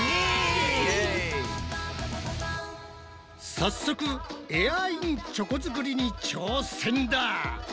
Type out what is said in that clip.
早速エアインチョコ作りに挑戦だ！